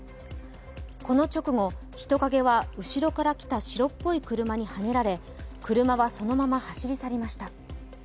この直後、人影は後ろから来た白っぽい車にはねられ車はそのまま走り去りました。